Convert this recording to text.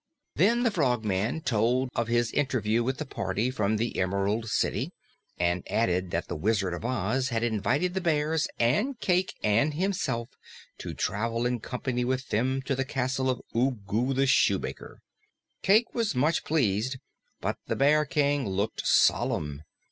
Then the Frogman told of his interview with the party from the Emerald City and added that the Wizard of Oz had invited the bears and Cayke and himself to travel in company with them to the castle of Ugu the Shoemaker. Cayke was much pleased, but the Bear King looked solemn.